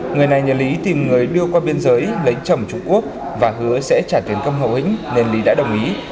người này nhờ lý tìm người đưa qua biên giới lấy chồng trung quốc và hứa sẽ trả tiền công hậu hĩnh nên lý đã đồng ý